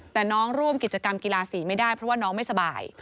แต่น้องร่วมกิจกรรมกีฬาสีไม่ได้เพราะว่าน้องไม่สบาย